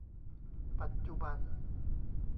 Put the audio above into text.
ปัจจุบัน